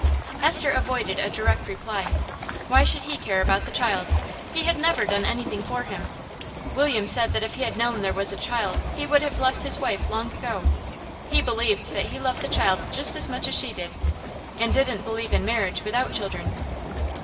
Esther avoided a direct reply. Why should he care about the child? He had never done anything for him. William said that if he had known there was a child he would have left his wife long ago. He believed that he loved the child just as much as she did, and didn't believe in marriage without children.